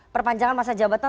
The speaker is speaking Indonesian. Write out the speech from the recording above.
perpanjangan masa jabatan